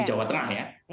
di jawa tengah ya